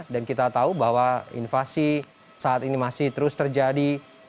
dan kita tahu bahwa invasi saat ini masih terus terjadi